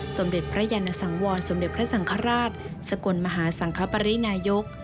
สมเด็จพระยันสังวรสมเด็จพระสังฆราชสกลมหาสังคปรินายก